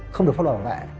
không được pháp luật bảo vệ